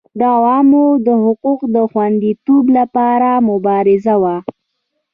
د عوامو د حقوقو د خوندیتوب لپاره مبارزه وه.